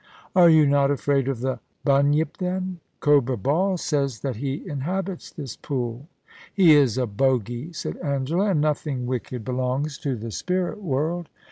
* Are you not afraid of the Bunyip, then ? Cobra Ball says that he inhabits this pool.' *He is a bogie/ said Angela. *And nothing wicked belongs to the spirit world.'